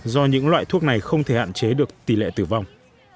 do những loại thuốc này không thể hạn chế được tỷ lệ tử vong